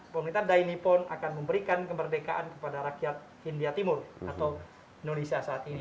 pemerintah daini pun akan memberikan kemerdekaan kepada rakyat india timur atau indonesia saat ini